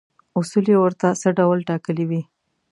اصول یې ورته څه ډول ټاکلي وي.